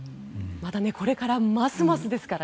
これからますますですからね。